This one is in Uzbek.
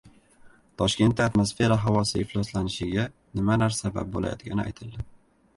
Toshkentda atmosfera havosi ifloslanishiga nimalar sabab bo‘layotgani aytildi